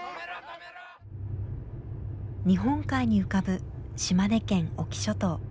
日本海に浮かぶ島根県隠岐諸島。